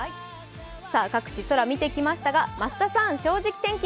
各地空見てきましたが増田さん「正直天気」